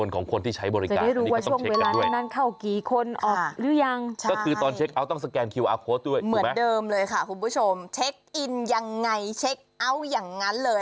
ยังไงเช็คเอาอย่างนั้นเลย